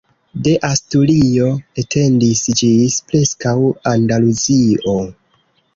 De Asturio etendis ĝis preskaŭ Andaluzio.